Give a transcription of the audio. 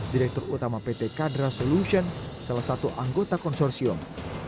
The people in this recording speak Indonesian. direktur utama pt kadra solution salah satu anggota konsorsium